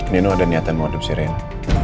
nino ada niatan mau adopsi reina